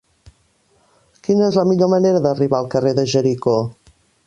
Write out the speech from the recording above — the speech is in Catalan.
Quina és la millor manera d'arribar al carrer de Jericó?